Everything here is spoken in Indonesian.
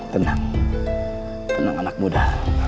tenang tenang anak muda